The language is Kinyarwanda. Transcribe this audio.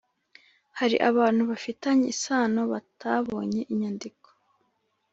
hari abantu bafitanye isano batabonye inyandiko